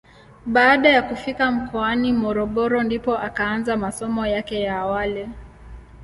Baada ya kufika mkoani Morogoro ndipo akaanza masomo yake ya awali.